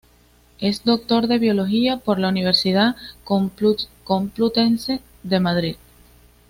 Es Doctor en Biología por la Universidad Complutense de Madrid.